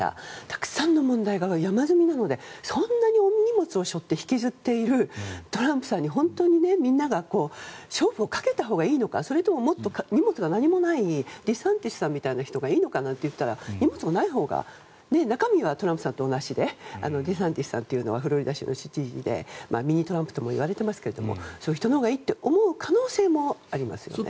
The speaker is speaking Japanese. たくさんの問題が山積みなのでそんな重い荷物を持って引きずっているトランプさんにみんなが勝負をかけたほうがいいのかそれとももっと荷物が何もないデサンティスさんみたいな人がいいのかと言ったら荷物もないほうが中身はトランプさんと同じでデサンティスさんっていうのはフロリダ州の知事でミニトランプともいわれていますがそういう人のほうがいいと思われる可能性もありますよね。